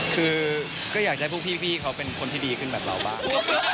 คือก็อยากให้พวกพี่เขาเป็นคนที่ดีขึ้นแบบเราบ้าง